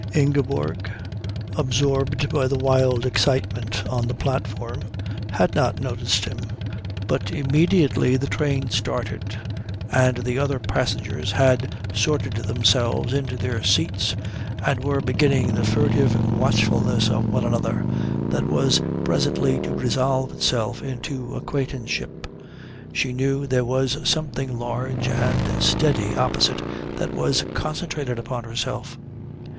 Ingeborg, absorbed by the wild excitement on the platform, had not noticed him; but immediately the train started and the other passengers had sorted themselves into their seats and were beginning the furtive watchfulness of one another that was presently to resolve itself into acquaintanceship, she knew there was something large and steady opposite that was concentrated upon herself.